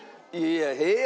いや「へえ！」